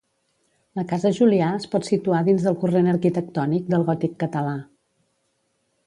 La casa Julià es pot situar dins el corrent arquitectònic del gòtic català.